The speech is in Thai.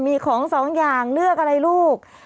มีของสองอย่างเลือกอะไรลูก